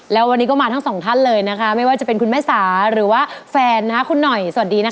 แล้ววันนี้ก็มาทั้งสองท่านเลยนะคะไม่ว่าจะเป็นคุณแม่สาหรือว่าแฟนคุณหน่อยสวัสดีนะคะ